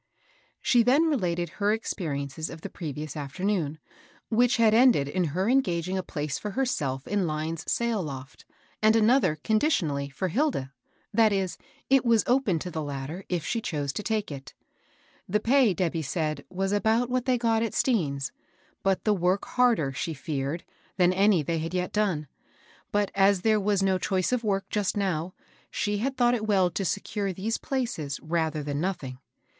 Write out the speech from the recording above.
She then related her experiences of the previ ous afternoon, which had ended in her engaging a place for herself in 's sail loft, and another^ 184 MABEL BOSS. conditionally, for Hilda ; that is, it was open to the latter, if she chose to take it. The pay, Debby said, was about what they got at Stean's ; but tibe work harder, she feared, than any they had yet done. But, as there was no choice of work just now, she had thought it well to secure these places rather than nothing.